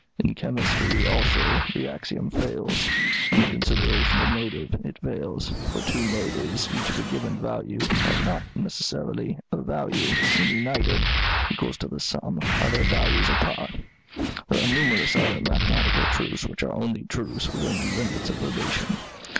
In chemistry, also, the axiom fails. In the consideration of motive it fails; for two motives, each of a given value, have not, necessarily, a value, when united, equal to the sum of their values apart. There are numerous other mathematical truths which are only truths within the limits of relation.